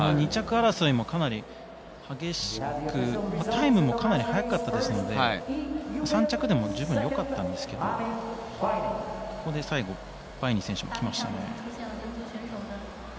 ２着争いもかなり激しくタイムもかなり速かったですので３着でも十分よかったんですけどここで最後バイニー選手が来ましたね。